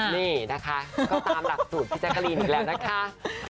นี่นะคะก็ตามหลักสูตรพี่แจ๊กกะรีนอยู่แล้วนะคะ